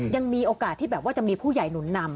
ยังมีโอกาสที่แบบว่าจะมีผู้ใหญ่หนุนนำ